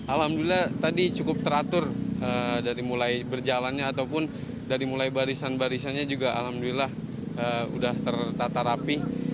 alhamdulillah tadi cukup teratur dari mulai berjalannya ataupun dari mulai barisan barisannya juga alhamdulillah sudah tertata rapi